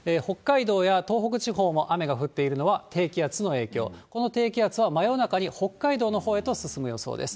北海道や東北地方も雨が降っているのは低気圧の影響、この低気圧は真夜中に北海道のほうへと進む予想です。